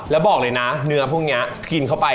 แล้วบอกเลยนะเนื้อพวกนี้กินเข้าไป